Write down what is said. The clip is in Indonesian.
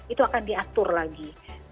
itu akan diatur lagi